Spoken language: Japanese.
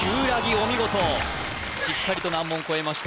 お見事しっかりと難問越えました